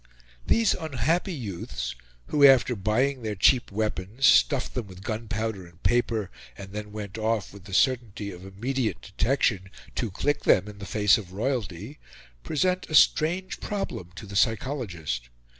These unhappy youths, who, after buying their cheap weapons, stuffed them with gunpowder and paper, and then went off, with the certainty of immediate detection, to click them in the face of royalty, present a strange problem to the psychologist.